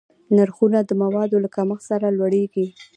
نرخونه د موادو له کمښت سره لوړېږي.